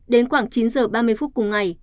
đến khoảng chín h ba mươi phút cùng ngày